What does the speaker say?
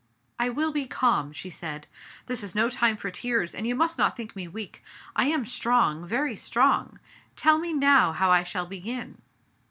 "I will be calm,'* she said, ''this is no time for tears, and you must not think me weak. I am strong — very strong. Tell me now how I shall begin.'